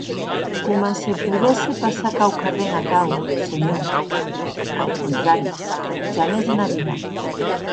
Coma se podesse passar quauquarren atau, senhor; ath contrari, jamès ena vida.